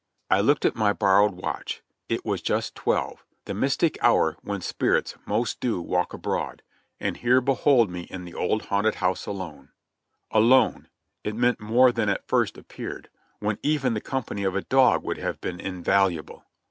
I looked at my borrowed watch ; it was just twelve — the mystic hour when spirits most do walk abroad ; and here behold me in the old haunted house alone ! Alone ! It meant more than at first appeared, when even the company of a dog would have been invaluable.